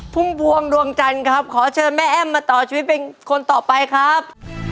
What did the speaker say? พุ่มพวงดวงจันทร์ครับขอเชิญแม่แอ้มมาต่อชีวิตเป็นคนต่อไปครับ